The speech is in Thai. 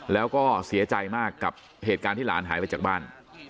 แล้วก็เสียใจมากกับเหตุการณ์ที่หลานหายไปจากบ้าน